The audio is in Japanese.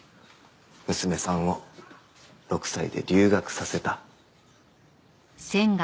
娘さんを６歳で留学させた。